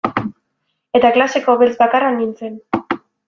Eta klaseko beltz bakarra nintzen.